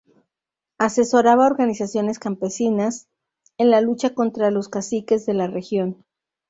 Asesoraba a organizaciones campesinas en la lucha contra los caciques de la región.